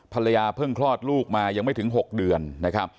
ภรรยาเพิ่งคลอดลูกมายังไม่ถึง๖เดือนนะครับ